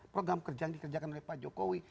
program kerjaan dikerjakan oleh pak jokowi